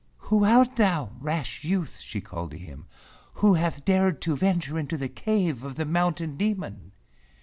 "Who art thou, rash youth ?" she called to him, "who hath dared to venture into the cave of the Mountain Demon